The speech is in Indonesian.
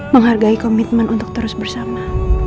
menghargai komitmen untuk terus bersama